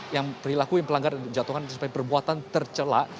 yang perilaku yang pelanggar jatuhkan tersebut perbuatan tercelak